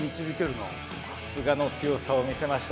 さすがの強さを見せました